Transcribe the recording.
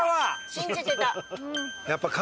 信じてた。